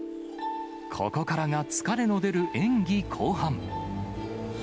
ここからが疲れの出る演技後半。